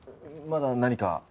まだ何か？